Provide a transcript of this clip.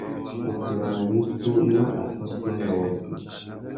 Wuffeyana wissú nà assôtô ya wôrêtê.